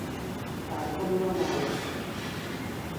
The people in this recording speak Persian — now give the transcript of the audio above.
الکل او را منگ کرد.